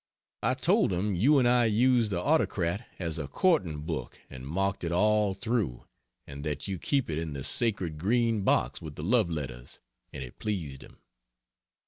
I told him you and I used the Autocrat as a courting book and marked it all through, and that you keep it in the sacred green box with the love letters, and it pleased him.